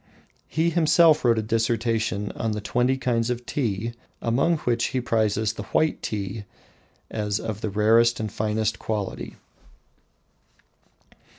He himself wrote a dissertation on the twenty kinds of tea, among which he prizes the "white tea" as of the rarest and finest quality.